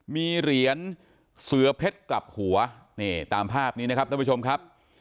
มีเหรียญเสือเพชรกลับหัวนี่ตามภาพนี้นะครับท่านผู้ชมครับ